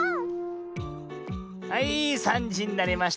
はい３じになりました。